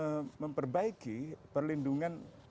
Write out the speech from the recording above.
dan juga memperbaiki perlindungan ke negara